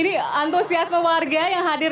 ini antusias pewarga yang hadir